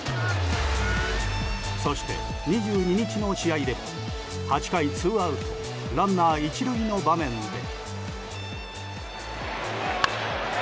そして２２日の試合でも８回、ツーアウトランナー１塁の場面で。